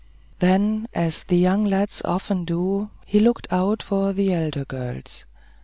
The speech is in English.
Then, as the young lads often do, he looked out for the elder girls.